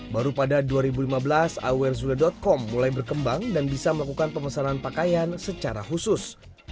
baru pada dua ribu lima belas awersule com mulai berkembang dan bisa melakukan pemesanan pakaian secara khusus